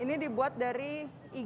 kaldunya dibuat dari apa nih chef